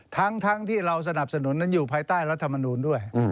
ทั้งที่เราสนับสนุนนั้นอยู่ภายใต้รัฐมนูลด้วย